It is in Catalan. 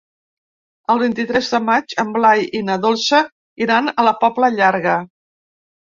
El vint-i-tres de maig en Blai i na Dolça iran a la Pobla Llarga.